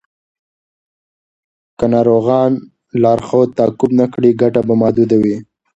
که ناروغان لارښود تعقیب نه کړي، ګټه به محدوده وي.